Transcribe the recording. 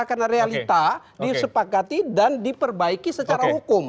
karena realita disepakati dan diperbaiki secara hukum